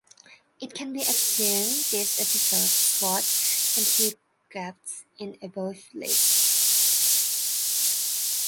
It can be assumed these episodes slot into the gaps in the above list.